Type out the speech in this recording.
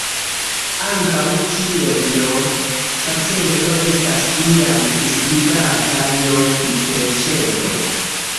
Ankaŭ, kiel "j"-faceto estas iam priskribata "j"-hiperĉelo.